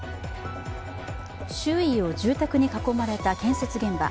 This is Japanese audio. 周囲を住宅に囲まれた建設現場。